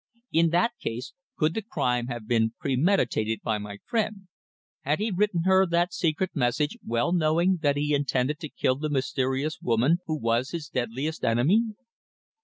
In that case, could the crime have been premeditated by my friend? Had he written her that secret message well knowing that he intended to kill the mysterious woman who was his deadliest enemy.